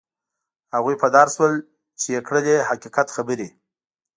هغوی په دار شول چې یې کړلې حقیقت خبرې.